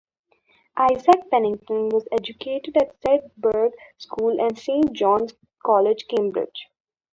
Isaac Pennington was educated at Sedbergh School and Saint John's College, Cambridge.